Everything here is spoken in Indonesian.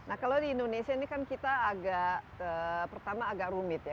nah kalau di indonesia ini kan kita agak pertama agak rumit ya